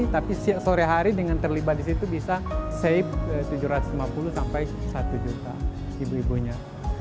tapi sore hari dengan terlibat di situ bisa save tujuh ratus lima puluh sampai satu juta ibu ibunya